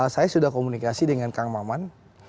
saya sudah komunikasi dengan kang maman